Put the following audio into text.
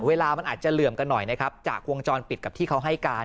เวลามันอาจจะเหลื่อมกันหน่อยนะครับจากวงจรปิดกับที่เขาให้การ